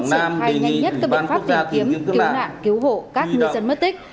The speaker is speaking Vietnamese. triển khai nhanh nhất các biện pháp tìm kiếm cứu nạn cứu hộ các ngư dân mất tích